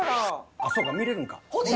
あっそうか見れるんか。